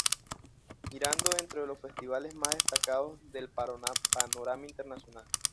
Girando dentro de los festivales más destacados del panorama internacional.